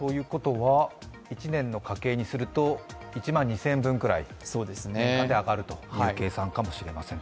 １年の家計にすると１万２０００円分ぐらい上がる計算かもしれません。